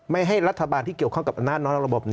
ให้รัฐบาลที่เกี่ยวข้องกับอำนาจน้อยระบบ